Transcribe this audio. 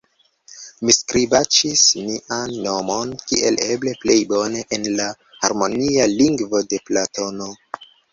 Mi skribaĉis mian nomon kiel eble plej bone en la harmonia lingvo de Platono.